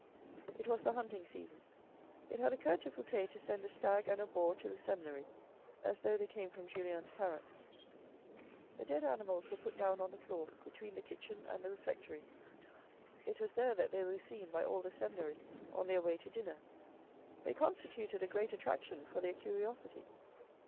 It was the hunting season. It had occurred to Fouque to send a stag and a boar to the seminary as though they came from Julien's parents. The dead animals were put down on the floor between the kitchen and the refectory. It was there that they were seen by all the seminarists on their way to dinner. They constituted a great attraction for their curiosity.